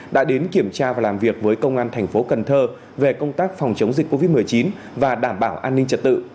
đã đến kiểm tra và làm việc với công an thành phố cần thơ về công tác phòng chống dịch covid một mươi chín và đảm bảo an ninh trật tự